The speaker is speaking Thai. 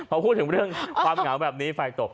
เรื่องความเหงอะแบบนี้ไฟตก